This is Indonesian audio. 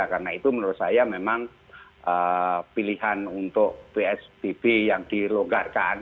karena itu menurut saya memang pilihan untuk psbb yang dilonggarkan